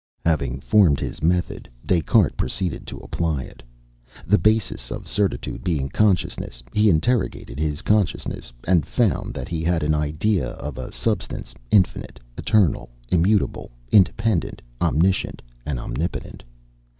Having formed his method, Des Cartes proceeded to apply it. The basis of certitude being consciousness, he interrogated his consciousness, and found that he had an idea of a substance infinite, eternal, immutable, independent, omniscient, omnipotent.